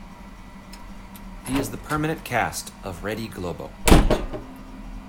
He is in the permanent cast of Rede Globo.